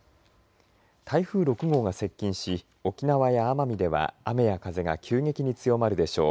台風６号が接近し沖縄や奄美では雨や風が急激に強まるでしょう。